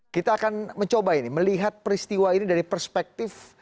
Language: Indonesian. kita akan mencoba ini melihat peristiwa ini dari perspektif